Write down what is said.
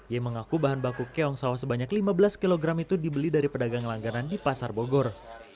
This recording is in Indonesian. ia mengaku bahan baku keong sawah sebanyak lima belas kg itu dibeli dari pedagang langganan di pasar bogor